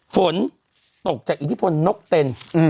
ฝนตกจากอิทธิพลนกเต็น